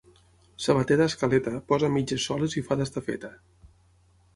Sabater d'escaleta, posa mitges soles i fa d'estafeta.